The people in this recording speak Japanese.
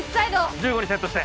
１５にセットして！